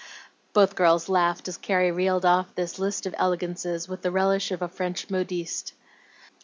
Both girls laughed as Carrie reeled off this list of elegances, with the relish of a French modiste.